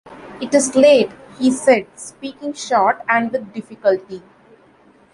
‘It is late!’ he said, speaking short and with difficulty.